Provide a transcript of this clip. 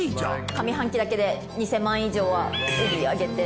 上半期だけで２０００万以上は売り上げて。